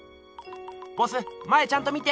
ボス前ちゃんと見て。